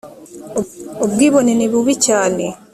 ubwibone nibubi cyane